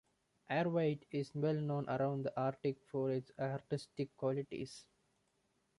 Arviat is well known around the Arctic for its artistic qualities.